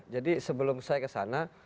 jadi sebelum saya kesana